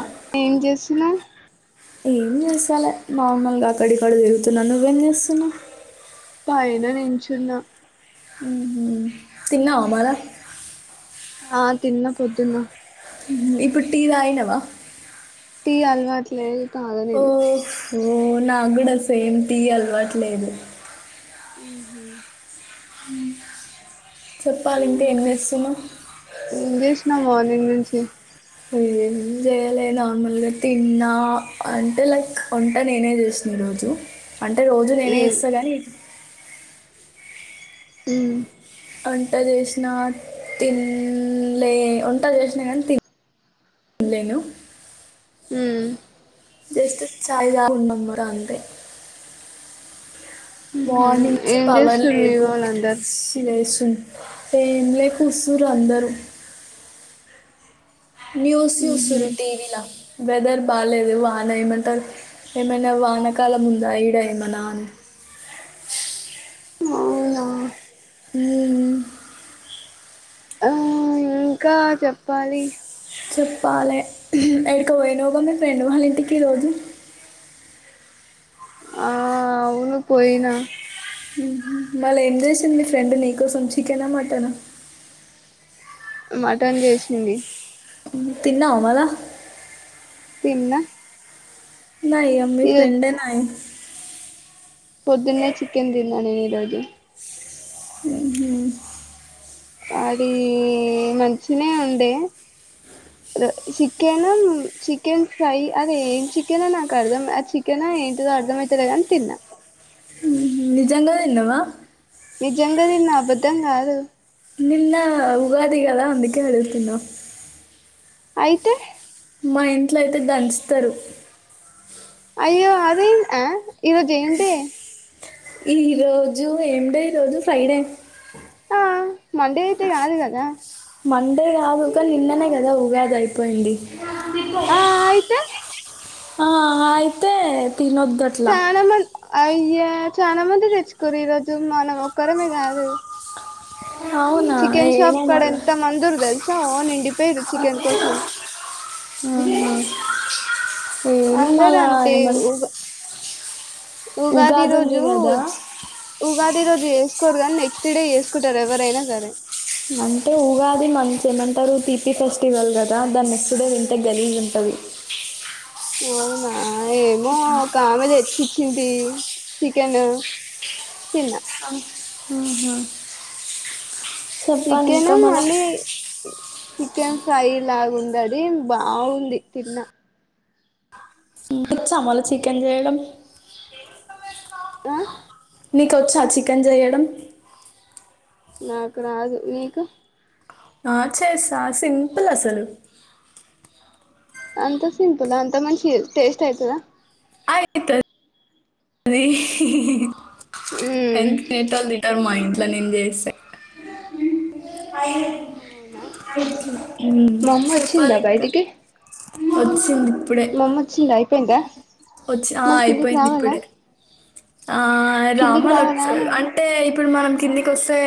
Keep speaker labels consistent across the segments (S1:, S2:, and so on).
S1: ఆ ఏం చేస్
S2: ఏం చేస్ చాల నార్మల్గా అక్కడిక్కడ తిరుగుతున్నా. నువ్వేం చేస్తున్నావ్?
S1: పైన నించున్న.
S2: మ్మ్ తిన్నావా మల
S1: ఆ తిన్న. పొద్దున్న.
S2: మ్మ్ ఇప్పుడు టీ తాగినావ?
S1: టీ అలవాటు లేదు.
S2: ఓఫో నాకు కూడా సేమ్ టీ అలవాట్లేదు.
S1: మ్ హు
S2: చెప్పాలంటే ఏం చేస్తున్నావ్?
S1: ప్రెగ్నెన్సీ
S2: ఏం చేయలె. నార్మల్గా తిన్నా అంటే లైక్ వంట నేనే చేస్ ఈ రోజు. అంటే, రోజు నేనే
S1: ఏం
S2: చేస్తా గాని,
S1: మ్
S2: వంట చేసినా తిన్లే. వంట చేసినా గాని తిన్ లేను.
S1: మ్
S2: జస్ట్ చాయ్ తాగి ఉన్నము రా అంతే.
S1: ఉహు
S2: మార్నింగ్ నుంచి
S1: ఏం
S2: పవర్
S1: చేస్తుర్రు మీ
S2: లేదు.
S1: వోళ్ళందరు
S2: పిచ్చి లేస్తున్ టేన్లే కూసురు అందరు న్యూస్
S1: ఉహు
S2: చూస్తుర్రు టీవి ల. వెదర్ బాలేదు వాన ఏమంటవ్? ఏమైనా వానకాలం ఉందా ఈడ ఏమనా అని.
S1: [inaudible] అవునా
S2: ఉమ్ మ్
S1: ఆ ఇంకా చెప్పాలి
S2: చెప్పాలే ఎడికోపోయినావు మొన్న ఫ్రెండ్ వాళ్ళ ఇంటికి ఈరోజు
S1: ఆ అవును పోయినా
S2: ఉంహు మళ్ళ ఏం చేసింది మీ ఫ్రెండ్ నీకోసం చికెన్ ఆ మట్టన్ ఆ
S1: మటన్ చేసింది
S2: తిన్నావా మల్లా
S1: తిన్న
S2: నాయమ్ మీ ఫ్రెండె నయ్
S1: పొద్దున్నే చికెన్ తిన్న నేను ఈ రోజు అదీ మం చిన్నాయన ఉండే చికెన చికెన్ ఫ్రై అదే చికెన నాకు అర్థం ఆ చికన్ ఏంటిదో అర్ధమయితలే గాని తిన్నా
S2: నిజంగా తిన్నావ
S1: నిజంగా తిన్న అబద్ధం కాదు
S2: నిన్న ఉగాది కదా అందుకేలే తిన్నా
S1: అయితే
S2: మా ఇంట్లో అయితే దంచుతారు
S1: అయ్యో అదే ఆ ఈరోజెం డే
S2: ఈ రోజు ఏం డే ఈ రోజు ఫ్రైడే
S1: ఆ మండే అయితే కాదు కదా
S2: మండే కాదు కని నిన్ననే కదా ఉగాది అయిపోయింది
S1: ఆ ఆయితే
S2: ఆ అయితే తినొద్దుట్లా
S1: చాలా మంది అయ్యా చాలా మంది తెచ్చుకొర్రు ఈరోజు మనం ఒక్కరమే కాదు
S2: అవునా
S1: చికెన్ షాప్
S2: ఏమో
S1: కడ ఎంత మంది ఉర్రు తెల్సా ఓ నిండి
S2: ఉమ్ హు ఏమో
S1: అందరు
S2: మల్ల
S1: అంతే
S2: ఏమన్
S1: ఉగా ఉగాది
S2: ఉంది
S1: రోజు ఉ
S2: కదా
S1: ఉగాది రోజు చేసుకోరు గాని నెక్స్ట్ డే చేేసుకుంటారు ఎవరైనా సరే
S2: అంటే ఊగాది మంచి ఏమంటారు తీపి ఫెస్టివల్ కదా దాన్ని నెక్స్ట్ డే తింటే గలీజ్ ఉంటది
S1: అవునా ఏమో ఒక ఆమె తెచ్చి చ్చింది చికెన్ తిన్న
S2: అ హా
S1: చికెను మళ్ళీ చికెన్ ఫ్రై లాగుందది బాగుంది తిన్న
S2: వచ్చా మరి చికెన్ చేయడం
S1: ఆ
S2: నీకోచ్చా చికెన్ చేయడం
S1: నాకు రాదు నీకు
S2: ఆ చేస్తా సింపుల్ అసలు
S1: అంత సింపులా అంత మంచిగ టేస్ట్ అయితదా
S2: అయిత్ ది
S1: మ్మ్
S2: తినే టోల్లు తింటారు మా ఇన్ ట్ల నేను చేస్తే
S1: అవునా
S2: ఉమ్
S1: మా అమ్మ వచ్చిందా
S2: చెప్పాలింక
S1: బయటికి
S2: వచ్చింది ఇప్పుడే
S1: మా అమ్మ వచ్చిందా అయిపోయిందా
S2: వచ్చి ఆ
S1: మళ్ళీ కిందికి
S2: అయిపోయింది
S1: రావాలా
S2: ఇప్పుడే ఆ
S1: కిందికి
S2: రామలచ్
S1: రావాలా అని
S2: అంటే ఇప్పుడు మనం కింద కి వస్తే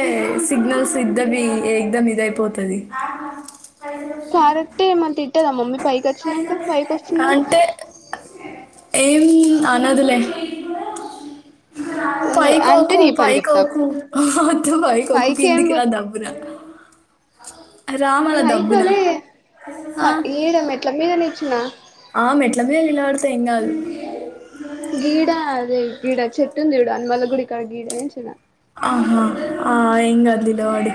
S2: సిగ్నల్స్ ఇద్దవి ఎదాం ఇదయిపోతుంది
S1: కారెట్టేమైనా తిట్టదా మమ్మీ పైకి వచ్చినాంక పైకి వచ్చిందని
S2: అంటే ఏం అనదులే పై
S1: అంటే
S2: కోకు
S1: నీ పని
S2: పై
S1: చెప్తా
S2: కోకు ఒద్దు పై కోకు
S1: పైకి ఏం
S2: కిందికిరా దబురా
S1: పైకలే
S2: ఆ,
S1: ఏడ మెట్ల మీధనుంచిన
S2: ఆ మెట్ల మీద నిలబడితే ఎం గాదు
S1: గిడ అదే గిడ చెట్టుందిజుడు అ మల్ల గుడి కాడ గీడ నించున్న
S2: ఆహా ఆ ఎంగాదు నిలబడు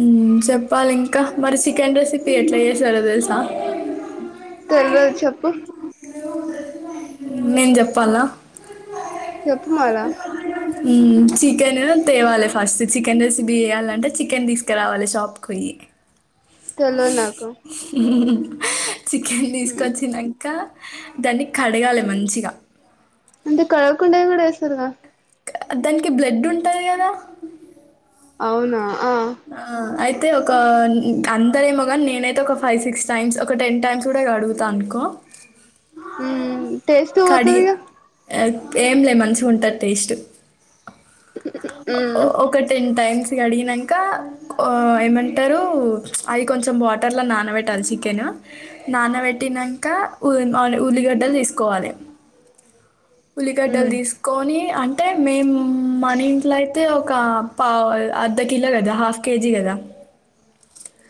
S2: ఉమ్ చెప్పాలి ఇంకా మరి చికెన్ రెసిపీ ఎట్లా చేసారో తెలుసా
S1: తెలివదు చెప్పు
S2: మ్మ్ నేను చెప్పాల్నా
S1: చెప్పు మాలా
S2: చికెన్ తేవాలి ఫస్ట్ చికెన్ రెసిపీ చేయాలంటే చికెన్ తీసుకురావాలి షాప్కి పొయ్యి
S1: తెల్వద్నాకు
S2: చికెన్ తీసుకొచ్చినాక దాన్ని కడగాలి మంచిగా
S1: అంటే కడగకుండా కూడా ఎస్తరుగా
S2: దానికి బ్లడ్ ఉంటంది కదా
S1: అవునా ఆ
S2: ఆ ఆయితే అయితే ఒక అందరేమో కానీ నేనైతే ఒక ఫైవ్ సిక్స్ టైమ్స్ ఒక టెన్ టైమ్స్ కూడా కడుగుతాను అనుకో
S1: మ్మ్ టేస్ట్
S2: కడి
S1: పోతదిగ
S2: ఏం లే మాంచిగా ఉంటది టేస్ట్
S1: ఉమ్
S2: ఒక టెన్ టైమ్స్ స్ కడిగినంక ఏమంటారు అది కొంచెం వాటర్లా నానబెట్టాలి చికెన్ నానబెట్టినాక ఉల్లిగడ్డలు తీసుకోవాలి ఉల్లిగడ్డలు
S1: ఉమ్
S2: తీసుకొని అంటే మేము మన ఇంట్లో అయితే ఒక పా అర్ధ కిలో కదా హాఫ్ కేజీ కదా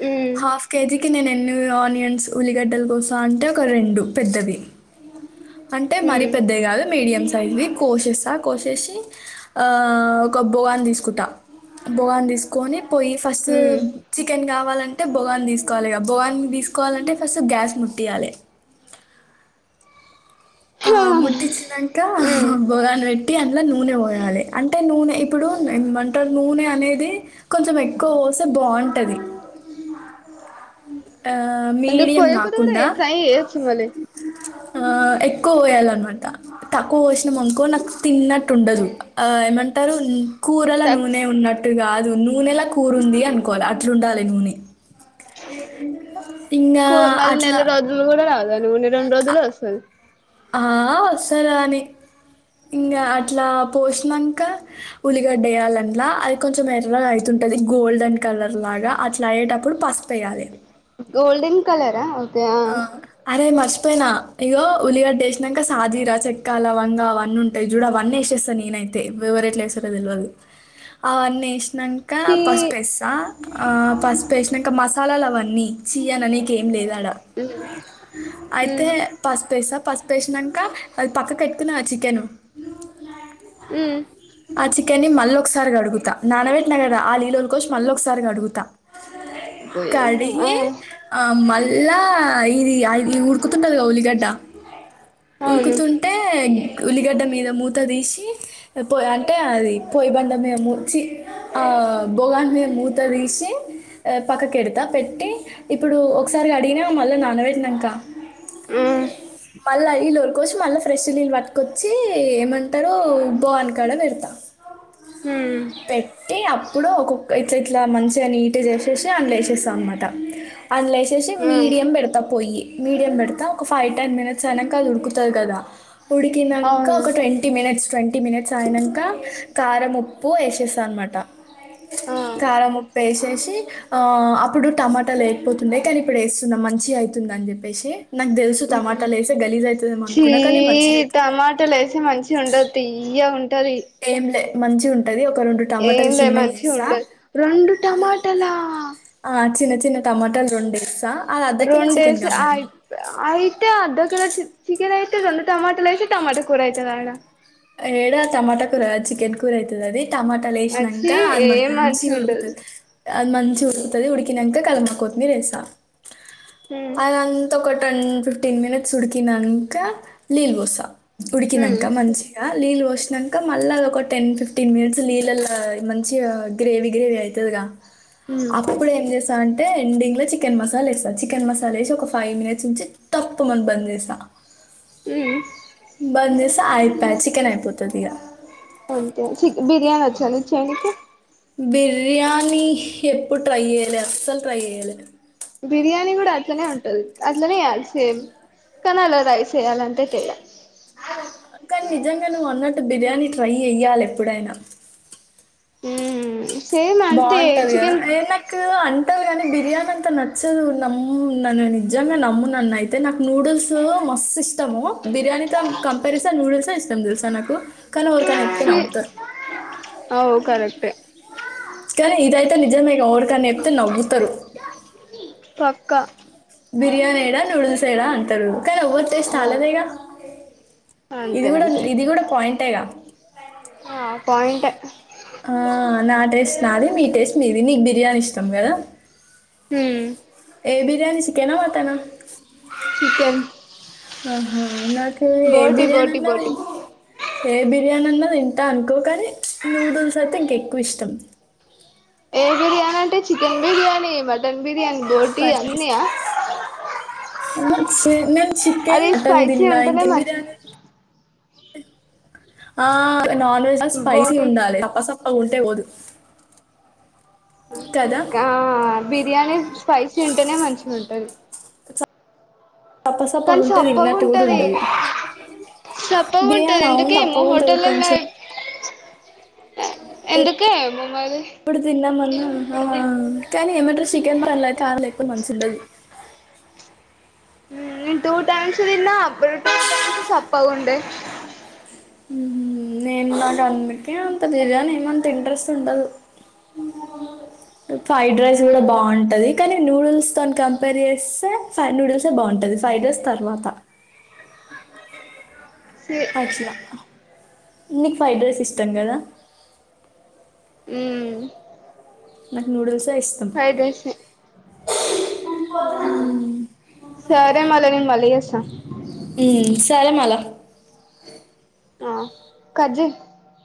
S1: ఉమ్
S2: హాఫ్ కేజీకి కి నేను ఎన్ని ఆనియన్స్ ఉల్లిగడ్డల కోస్త అంటే ఒక రెండు పెద్దవి అంటే మరీ
S1: ఉమ్
S2: పెద్దాయి కాదు మీడియం సైజుది కోసేస్తా కోసేసి ఆ ఒక బోగాన్ని తీసుకుంటా బోగాని తీసుకొని పోయి ఫస్ట్ చికెన్ కావాలంటే బోగాని తీస్కోవాలె బోగాని తీస్కోవాలంటే ఫస్ట్ గ్యాస్ ముట్టియలే ఆ
S1: ఉమ్
S2: ముట్టిచ్చినాక
S1: ఉమ్
S2: బోగాన పెట్టి అందులో నూనె పోయాలి అంటే నూనె ఇప్పుడు ఏమంటారు నూనె అనేది కొంచెం ఎక్కువ పోస్తే బాగుంటుంది ఆ మ
S1: ఎందుకు
S2: మీడియం
S1: పోయకూడదు కూడా
S2: కాకుండ
S1: ఫ్రై చేయొచ్చు మళ్ళీ
S2: ఆ ఎ ఎక్కువ పోయాలన్నమాట తక్కువ పోసినమనుకో నాకు తిన్నట్టు ఉండదు ఏమంటారు కూరలా నూనె
S1: తక్కువ
S2: ఉన్నట్టు కాదు నూనెలా కూరంది అనుకోవాలి అట్లా ఉండాలి నూనె ఇంగా అట్లా
S1: రెండ్రోజుల్లో అస్తది
S2: ఆ ఒస్సేరాని ఇంకా అట్లా పోషినాంక ఉల్లిగడ్డ వేయాలంట్లా అది కొంచెం ఎర్రగా అవుతు ఉంటది గోల్డెన్ కలర్ లాగా అట్లా అయ్యేటప్పుడు పసుపెయాలి
S1: గోల్డెన్ కలరాఓ
S2: ఆ అరే మార్చ పోయినా ఇగో ఉల్లిగడ్డ వేసినాంక సాజీర చెక్కాలవంగ అవన్నీ ఉంటాయి చూడ అవన్నీ ఎసేస్తా నేన తే ఎవరేట్లేస్తారో తెల్వదు అవన్నీ ఇసినంక
S1: చి
S2: ఫస్ట్ వస్సా ఆ పసుపు ఎసినాంక మసాలాలు అవన్నీ చీ అననికేం లేదాడా అయితే
S1: ఉమ్
S2: పాసుపేస్తా పసుపు వేసినంక అది పక్క కె ట్టుకున్నా చికెన్
S1: ఉమ్
S2: కాని మళ్ళ ఒకసారి కడుగుత నానవేట్ న గద ఆ లీల్ ఉలకోష్ మళ్ళీ ఒకసారి కడుగుతా
S1: పోయాము ఆ
S2: కడిగి ఆ మళ్ళ ఇదిఐ ది ఉడుకుతుంటదిగా ఉల్లిగడ్డ
S1: అవును
S2: ఉడుకుతుంటే ఉల్లిగడ్డ మీద మూత తీసి పోయ్ అంటే అది పోయ్ బండ మీద మూ చి ఆ బొగాని మీద మూత తీసి పక్కకెడతా పెట్టి ఇప్పుడు ఒకసారి అడిగినా మళ్ళ నానబెట్టినమ్కా
S1: ఉమ్
S2: లీల్ ఉలక్హోష్ మల్లా ప్రష్ నీల్ పట్కొచ్చి ఏమంటారు బానుకాడ పెడతా
S1: ఉమ్
S2: పెట్టి అప్పుడు ఒక్కో క్ ఇట్లా మంచిగా నీట్ చేసేసి అందులొ వేసేస్తాం అనమాట అందులో వేసేసి మీ యం
S1: ఉమ్
S2: మీడియం పెడతా పోయి మీడియం పెడతా ఒక ఫైవ్ టెన్ మినిట్స్ ఐనాక అది ఉడుకుతది కదా ఉడికినంక
S1: అవును
S2: ఒక ట్వంటీ మినిట్స్ ట్వంటీ టీ మినిట్స్ అయినాక కారం ఉప్పు వేసేస్తా అనమాట
S1: ఆ
S2: కారం ఉప్పు వేసేసి ఆ అప్పుడు టమాటా లేకపోతుండే కానీ ఇప్పుడు వేస్ స్త మంచి అయ్ తుంద అని చెప్ చెప్పేసి నాకు తెలుసు
S1: ఉమ్
S2: టమాటాలు వేసే గలీజ్ అవుతదేమో
S1: చీ
S2: అనుకున్నా కానీ మంచిగా అయ్ తుంది
S1: తీయ్య ఉం
S2: ఏంలే మంచిగ ఉన్ ఒక రెండు
S1: ఏం
S2: టమాటల్
S1: లే
S2: చిన్న
S1: మంచిగా
S2: వేస్తా
S1: ఉండదు రెండు టమాటాలా
S2: ఆ చిన్న చిన్న టమాటాలు రెండేసా
S1: రెండేసి అయిత్ అయితే అర్ద గ్లాస్ చికెన్ ఐతే రెండు టమాటాలేసి టమమా కూర అయితది ఆడ
S2: ఏడా టమాటా కూర చికెన్ కూర ఐతది అది టమాటాలు
S1: వచ్చి
S2: వేసినాన్క అది
S1: ఏం
S2: మంచిగ
S1: మంచిగా ఉండదు
S2: ఉడుకుతది అది మంచిగ ఉడుకుతది ఉడికినాక కాల కొత్తిమీర వేస్తా
S1: హ్మ్
S2: అదంత కొ టెన్ ఫిఫ్టీన్ మినిట్స్ ఉడికినంక నీళ్లు పోస్స
S1: హ్మ్
S2: ఉడికినంక మంచి నీళ్ళు పోసినాన్క మళ్ళ అది ఒక టెన్ ఫిఫ్టీన్ మినిట్స్ నీళ్ళలో మంచి గ్రేవీ గ్రేవీ అయితదిగా
S1: హ్మ్
S2: అప్పుడు ఎం చేస అం టే ఎండింగ్ లో చికెన్ మసాలా వేస్తా చికెన్ మసాలా వేసి ఒక ఫైవ్ మినిట్స్ నుంచి తప్పు మని బంద్ చేస్త
S1: ఉమ్
S2: బంద్ చేసే అయిపాయ్ చికెన్ అయిపోతుది ఇగ
S1: ఓకే చిక్ బిర్యానీ వచ్చా నిక్ చేయనికి
S2: బిర్యానీ ఎప్పుడు ట్రై చేయ్యాలె అస్సలు ట్రై చెయ్యాలె
S1: బిర్యానీ కూడా అట్లనే ఉంటది అట్లనే చేయాలి సేమ్ కానీ అలా రైస్ వేయాలంతే తేడా
S2: కాని నిజంగా నువ్వు అన్నట్టు బిర్యానీ ట్రై ఏ య్యాలే ఎప్పుడైనా
S1: ఉమ్
S2: బాగుంటది కదా ఏ నాకు అంటారు కాని బిర్యానీ అంతా నచ్చదు నమ్ము నన్ను నిజంగా నమ్మునన్న అయితే నాకు నూడిల్స్ మస్త్ ఇష్టము బిర్యానీతో కంపేర్ చేస్తే న్యూడుల్స్ ఏ ఇష్టాం తెలుసా నాకు కానీ వురికనే
S1: అవు కరెక్టే
S2: కానీ ఇదయితే నిజమే ఓరికన చెప్తే నవ్వుతారు
S1: పక్క
S2: బిర్యానీ ఏడా నూడిల్స్ ఎడా అంటారు కానీ ఎవ్వరు టేస్ట్
S1: అవు
S2: ఆలదేగా ఇది
S1: అంతే
S2: కూడా
S1: అంతే
S2: ఇది కూడా పాయింటేగా
S1: ఆ పాయింటె
S2: ఆ నా టేస్ట్ నాది మీ టేస్ట్ మీది నీకు బిర్యానీ ఇష్టం కదా
S1: హ్మ్
S2: ఏ బిర్యానీ చికెనా మటన
S1: చికెన్
S2: ఆహా నాకు ఏ
S1: బోటి బోటి
S2: బిర్యానీఅన్న
S1: బోటి
S2: దేచ్ ఏ బిర్యానీ అన్న తింటా అనుకో కానీ నూడుల్స్ అయితే ఇంక ఎక్కువ ఇష్టం
S1: ఏ బిర్యానీ అంటే చికెన్ బిర్యానీ మటన్ బిర్యానీ బోటి అన్ని అ
S2: చి చికన్ మటన్
S1: స్పైసీ
S2: తీన్నా
S1: ఉంటేనే
S2: ఇక
S1: మంచి
S2: బిర్యానీ ఆ నాన్ వెజ్ల స్పైసీ
S1: బోటి
S2: ఉండాలి సప్ప సప్ప అవ్ ఉంటే పోదు కదా
S1: గా బిర్యానీ స్పైసీ ఉంటేనే మంచిగంటది కానీ
S2: సప్పసప్పగా ఉంటే తిన్నట్టు కూడా
S1: సప్పగుంటది
S2: ఉండదు
S1: సప్పగ ఉంటది
S2: బిర్యానీ అవును
S1: ఎందుకేమో
S2: తప్పగా ఉంటుంది
S1: హోటల్లల్ల
S2: కొంచెం ఎ-
S1: ఎందుకో ఏమో మ
S2: ఇప్పుడు తిందామన్నా ఆ కానీ ఏమంటారు చికెన్ ప అలా కారం లేకుపోతే మంచిగ ఉండదు
S1: నేను టూ టైమ్స్ తిన్న అప్పుడు టూ టైమ్స్ సప్పగుండె
S2: మ్మ్, నేను నాకు అందుకే అంత బిర్యానీ ఏమంత ఇంట్రెస్ట్ ఉండదు ఫ్రైడ్ రైస్ కూడా బాగుంటది కానీ నూడుల్స్ తోని కంపేర్ చేస్తే ఫై నూడిల్స్ బాగుంట్ టది ఫ్రైడ్ రైస్ తర్వాత అట్ల నీకు ఫ్రైడ్ రైస్ ఇష్టం కదా నాకు నూడల్స్ ఎ ఇస్
S1: ఫ్రైడ్ రైసే
S2: ఉమ్
S1: సరే మళ నేన్ మల్ల చేస్తా
S2: మ్మ్, సరే మల్ల
S1: ఆ కట్ జేయి